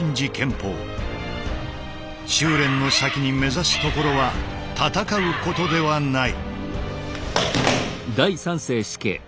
修練の先に目指すところは戦うことではない。